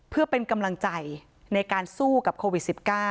เพื่อเป็นกำลังใจในการสู้กับโควิด๑๙